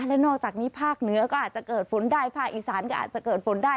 และนอกจากนี้ภาคเหนือก็อาจจะเกิดฝนได้ภาคอีสานก็อาจจะเกิดฝนได้